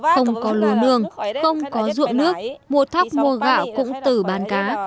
không có lúa nương không có ruộng nước mua thóc mua gạo cũng từ bán cá